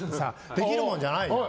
できるものじゃないじゃん。